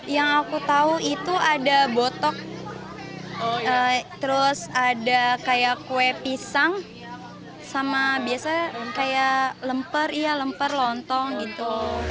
yang aku tahu itu ada botok terus ada kayak kue pisang sama biasa kayak lemper iya lemper lontong gitu